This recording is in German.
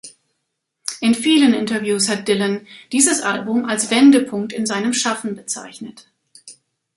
In vielen Interviews hat Dylan dieses Album als Wendepunkt in seinem Schaffen bezeichnet.